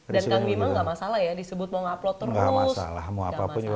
dan kang bima gak masalah ya disebut mau nge upload terus